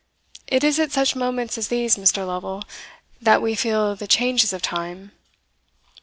It is at such moments as these, Mr. Lovel, that we feel the changes of time.